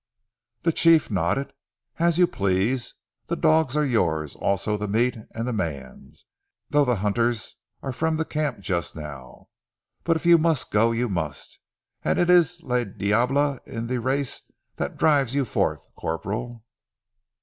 The chief nodded. "As you please. Ze dogs are yours, also ze meat an ze mans, though ze hunters are from ze camp just now. But if you mus' go, you mus'. It is le diable in ze race that drives you forth, corp'ral."